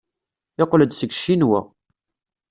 Yeqqel-d seg Ccinwa.